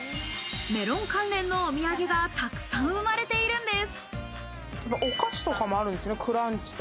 メロン関連のお土産がたくさん生まれているんです。